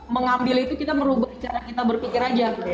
mengambil itu kita merubah cara kita berpikir aja